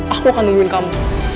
aku akan nungguin kamu